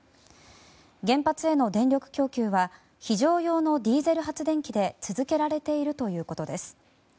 原発への電力供給は非常用のディーゼル発電機で続けられているということです。